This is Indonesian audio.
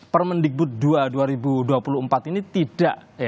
permendikbud dua dua ribu dua puluh empat ini tidak